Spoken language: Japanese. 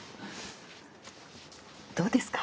どうですか？